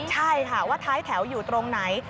ใช่ค่ะว่าท้ายแถวอยู่ตรงไหน